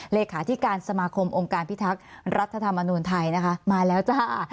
เลขาธิการสมาคมองค์การพิทักษ์รัฐธรรมนูญไทยนะคะมาแล้วจ้า